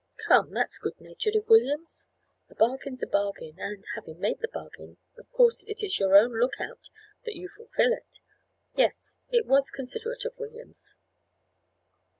"Come, that's good natured of Williams! A bargain's a bargain, and, having made the bargain, of course it is your own look out that you fulfil it. Yes, it was considerate of Williams."